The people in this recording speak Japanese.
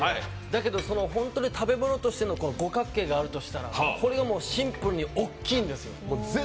だけど、本当に食べ物としての五角形があるとしたらこれがシンプルに大きいんですよ。